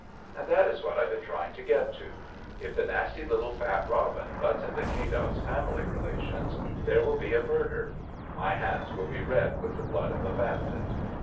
And that is what I've been trying to get to. If the nasty little fat robin butts into Kadott's family relations, there will be a murder. My hands will be red with the blood of a bandit.